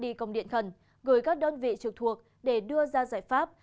đã phát đi công điện khẩn gửi các đơn vị trực thuộc để đưa ra giải pháp